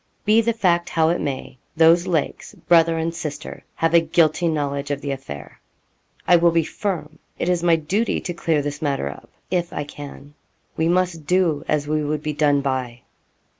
Be the fact how it may, those Lakes, brother and sister, have a guilty knowledge of the affair. 'I will be firm it is my duty to clear this matter up, if I can we must do as we would be done by.'